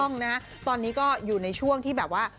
ถูกต้องนะฮะตอนนี้ก็อยู่ในช่วงที่แบบว่า